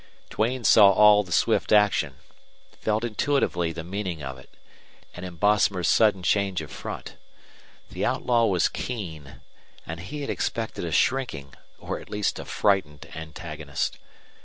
Duane saw all the swift action, felt intuitively the meaning of it, and in Bosomer's sudden change of front. The outlaw was keen, and he had expected a shrinking, or at least a frightened antagonist.